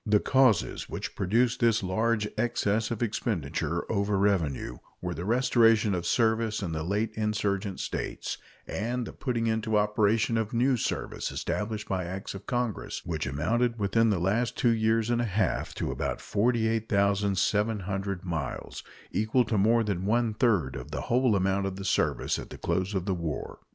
The causes which produced this large excess of expenditure over revenue were the restoration of service in the late insurgent States and the putting into operation of new service established by acts of Congress, which amounted within the last two years and a half to about 48,700 miles equal to more than one third of the whole amount of the service at the close of the war.